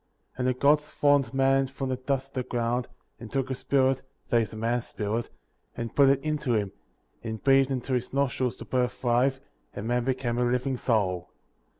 7. And the Gods formed man from the dust of the ground, and took his spirit, (that is, the man's spirit,) and put it into him; and breathed into his nostrils the breath of life, and man became a living soul.